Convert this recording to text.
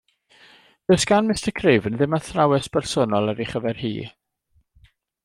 Does gan Mr. Craven ddim athrawes bersonol ar ei chyfer hi?